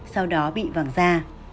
sau đó bị vàng da